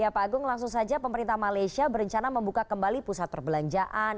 ya pak agung langsung saja pemerintah malaysia berencana membuka kembali pusat perbelanjaan